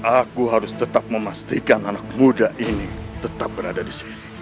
aku harus tetap memastikan anak muda ini tetap berada di sini